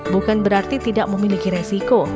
bukan berarti tidak memiliki resiko